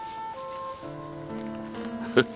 フフフ。